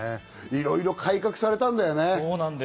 いろいろ改革されたんですよね。